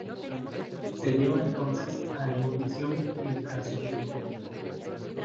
Se lleva entonces a ebullición mientras se remueve.